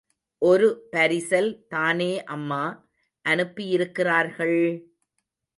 ஒரு பரிசல் தானே அம்மா அனுப்பியிருக்கிறார்கள்!